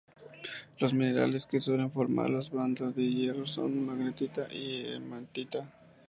Los minerales que suelen formar las bandas de hierro son magnetita y hematita.